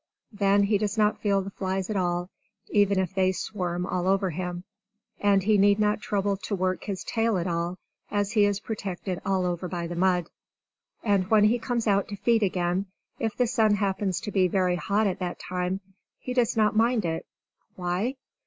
Then he does not feel the flies at all, even if they swarm all over him. And he need not trouble to work his tail at all, as he is protected all over by the mud. And when he comes out to feed again, if the sun happens to be very hot at that time, he does not mind it. Why?